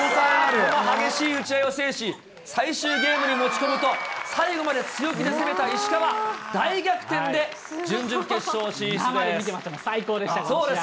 この激しい打ち合いを制し、最終ゲームに持ち込むと、最後まで強気で攻めた石川、大逆転で準々決勝進出です。